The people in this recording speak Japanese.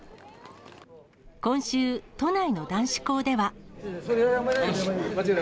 今週、都内の男子校では。